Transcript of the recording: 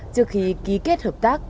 trước khi ký kết hợp tác